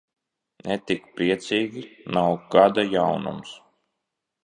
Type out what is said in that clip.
Ne tik priecīgi, nav gada jaunums.